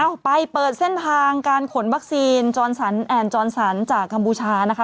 เอ้าไปเปิดเส้นทางการขนวัคซีนจรสันจากกัมพูชานะคะ